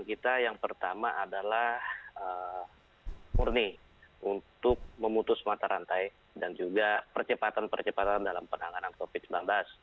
kita yang pertama adalah murni untuk memutus mata rantai dan juga percepatan percepatan dalam penanganan covid sembilan belas